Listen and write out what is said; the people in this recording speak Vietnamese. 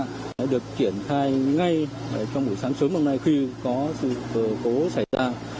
công tác tìm kiếm cứu nạn được triển thai ngay trong buổi sáng sớm hôm nay khi có sự cố xảy ra